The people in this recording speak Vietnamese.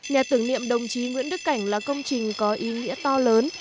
nhà tưởng niệm đồng chí nguyễn đức cảnh là công trình có ý nghĩa to lớn